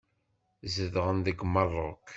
Zedɣen deg Meṛṛuk.